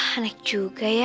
anak juga ya